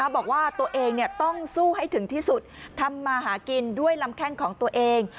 บอกว่าตัวเองต้องสู้ให้ถึงที่สุดทำมาหากินด้วยลำแข้งของตัวเอง